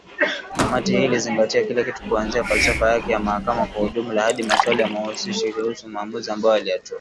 kamati hii ilizingatia kila kitu kuanzia falsafa yake ya mahakama kwa ujumla hadi maswali mahususi kuhusu maamuzi ambayo aliyatoa